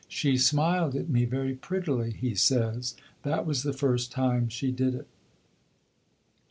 "She smiled at me very prettily," he says. "That was the first time she did it."